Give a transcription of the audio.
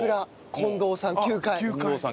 近藤さん９階。